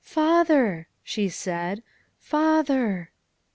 " Father," she said, " father."